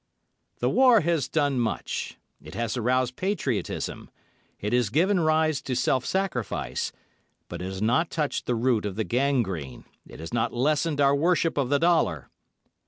The war has done much: it has aroused patriotism, it has given rise to self sacrifice, but it has not touched the root of the gangrene, it has not lessened our worship of the dollar.